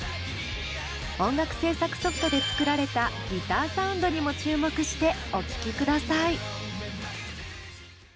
音楽制作ソフトで作られたギターサウンドにも注目してお聴きください。